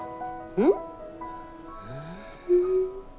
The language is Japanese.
うん。